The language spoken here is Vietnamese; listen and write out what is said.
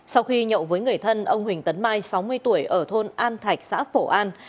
sau khi nhậu với người thân ông huỳnh tấn mai sáu mươi tuổi ở thôn an thạch xã phổ an